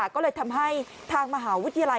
ก็เลยทำให้ทางมหาวิทยาลัย